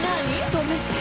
「止めて！」。